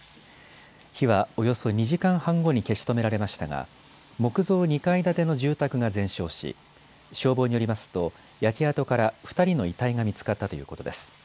火はおよそ２時間半後に消し止められましたが木造２階建ての住宅が全焼し消防によりますと焼け跡から２人の遺体が見つかったということです。